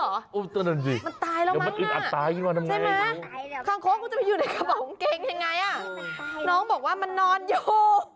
มันตายแล้วมั้งใช่ไหมคังคกมันจะไปอยู่ในกระเป๋ากางเกงยังไงน้องบอกว่ามันนอนอยู่